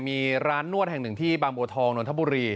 มีร้านนวดแห่งหนึ่งที่บางบัวทองนนทบุรี